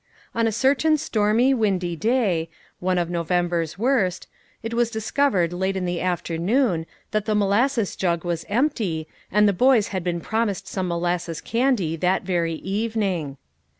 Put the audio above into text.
On a certain stormy, windy day, one of November's worst, it was discovered late in the afternoon that the molasses jug was empty, and the boys had been promised some molasses candy that very evening.